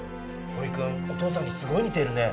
堀くんお父さんにすごい似てるね。